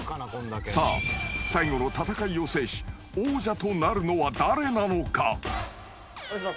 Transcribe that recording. ［さあ最後の戦いを制し王者となるのは誰なのか？］